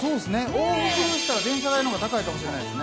往復したら電車代のほうが高いかもしれないですね。